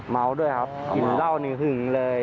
เมาด้วยครับกลิ่นเหล้านี่หึงเลย